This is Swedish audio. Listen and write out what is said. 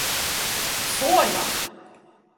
Så ja!